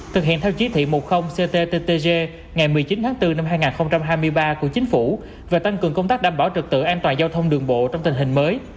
thực hiện theo chí thị một mươi cttg ngày một mươi chín tháng bốn năm hai nghìn hai mươi ba của chính phủ về tăng cường công tác đảm bảo trực tự an toàn giao thông đường bộ trong tình hình mới